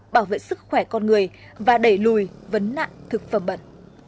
bảo vệ sức khỏe con người và đẩy lùi vấn nạn thực phẩm bẩn